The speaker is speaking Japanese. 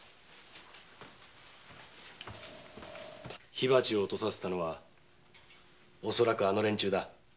火鉢を落とさせたのは恐らくあの連中だ。